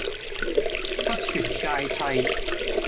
不存芥蒂